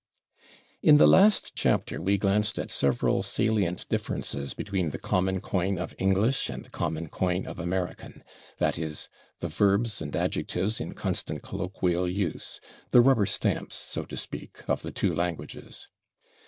In the last chapter we glanced at several salient differences between the common coin of English and the common coin of American that is, the verbs and adjectives in constant colloquial use the rubber stamps, so to speak, of the two languages.